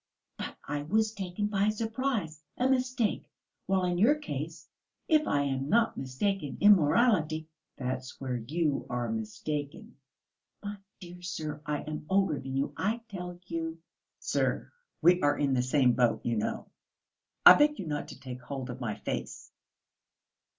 "But I was taken by surprise ... a mistake, while in your case, if I am not mistaken, immorality...." "That's where you are mistaken." "My dear sir! I am older than you, I tell you...." "Sir, we are in the same boat, you know. I beg you not to take hold of my face!"